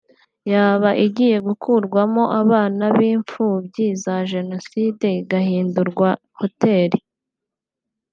yaba igiye gukurwamo abana b’imfubyi za Jenoside igahindurwa Hotel